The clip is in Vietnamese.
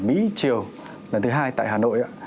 mỹ triều lần thứ hai tại hà nội